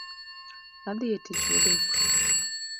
Adhi e tich modeko